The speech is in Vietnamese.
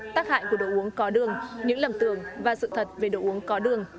tác hại của đồ uống có đường những lầm tường và sự thật về đồ uống có đường